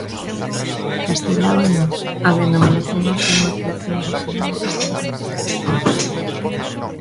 Castelao e Nós: A denominación Nós é unha creación orixinal de Castelao.